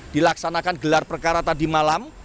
dilaksanakan gelar perkara tadi malam